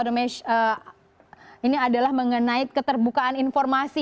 dan kemudian kita lihat juga sempat memerangi sepakat memerangi hiv tbc dan mabuk